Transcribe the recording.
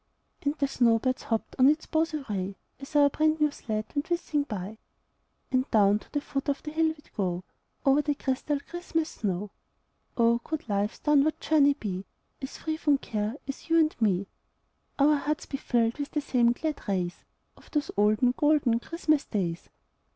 And the snowbirds hopped on its boughs awry As our brand new sled went whizzing by; And down to the foot of the hill we'd go, Over the crystal Christmas snow. Oh, could life's downward journey be As free from care for you and me; Our hearts be filled with the same glad rays Of those olden, golden Christmas days!